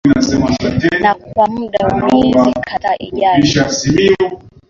na kwa muda wa miezi kadhaa ijayo